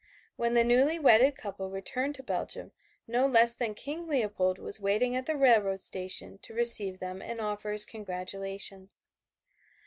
When the newly wedded couple returned to Belgium no one less than King Leopold was waiting at the railroad station to receive them and offer his congratulations.